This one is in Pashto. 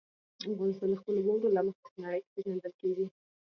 افغانستان د خپلو واورو له مخې په نړۍ کې پېژندل کېږي.